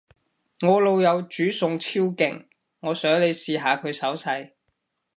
我老友煮餸超勁，我想你試下佢手勢